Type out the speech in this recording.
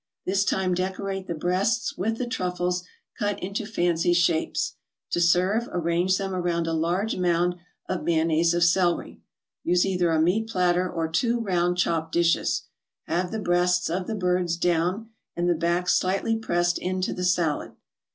This time decorate the breasts with the truffles cut into fancy shapes. To serve, arrange them around a large mound of mayonnaise of celery. Use either a meat platter, or two round chop dishes. Have the breasts of the birds down, and the back slightly pressed into the salad.